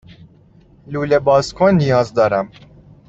لوله بازکن نیاز دارم.